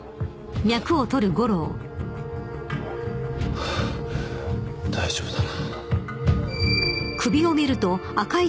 ハァ大丈夫だな。